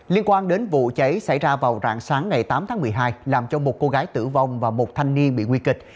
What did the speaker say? liên quan đến vụ cháy xảy ra vào rạng sáng ngày tám tháng một mươi hai làm cho một cô gái tử vong và một thanh niên bị nguy kịch